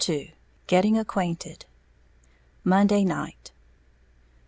II GETTING ACQUAINTED _Monday Night.